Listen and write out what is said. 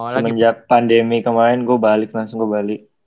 semenjak pandemi kemarin gue balik langsung gue balik